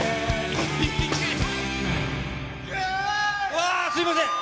わー！すみません。